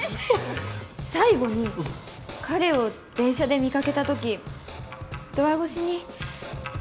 最後に彼を電車で見かけたときドア越しに。